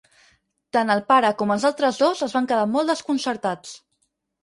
Tant el pare com els altres dos es van quedar molt desconcertats.